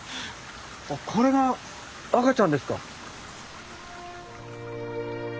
あっこれが赤ちゃんですか？